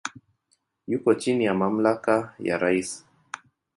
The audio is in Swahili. Yuko chini ya mamlaka ya rais.